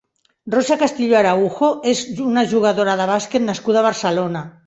Rosa Castillo Araujo és una jugadora de bàsquet nascuda a Barcelona.